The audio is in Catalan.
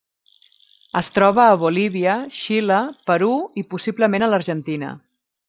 Es troba a Bolívia, Xile, Perú, i possiblement a l'Argentina.